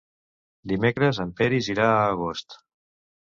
Dimecres en Peris irà a Agost.